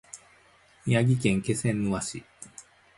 宮城県気仙沼市